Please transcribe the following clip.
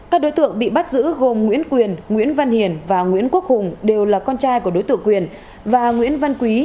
các đối tượng bị bắt giữ gồm nguyễn quyền nguyễn văn hiền và nguyễn quốc hùng đều là con trai của đối tượng quyền và nguyễn văn quý